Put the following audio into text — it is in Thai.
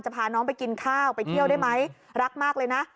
พาน้องไปกินข้าวไปเที่ยวได้ไหมรักมากเลยนะ